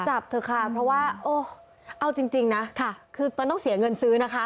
จับเถอะค่ะเพราะว่าเอาจริงนะคือมันต้องเสียเงินซื้อนะคะ